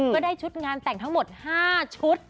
ก็ได้ชุดงานแต่งทั้งหมด๕ชุด